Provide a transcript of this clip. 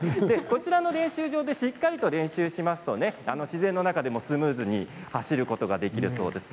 こちらの練習場で、しっかり練習すると自然の中でもスムーズに走ることができるそうです。